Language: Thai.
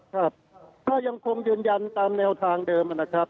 ครับก็ยังคงยืนยันตามแนวทางเดิมนะครับ